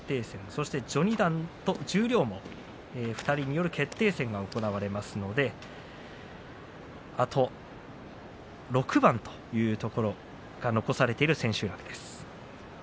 そして序二段と十両で２人による優勝決定戦が行われますので、あと６番が残されている千秋楽です。